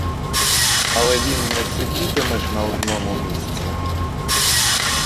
Але він не сидітиме ж на одному місці!